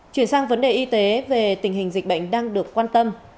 chuyển sang vấn đề y tế về tình hình dịch bệnh đang được quan tâm